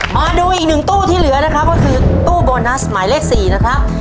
มาดูอีกหนึ่งตู้ที่เหลือนะครับก็คือตู้โบนัสหมายเลข๔นะครับ